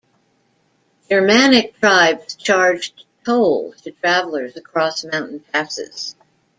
Germanic tribes charged tolls to travellers across mountain passes.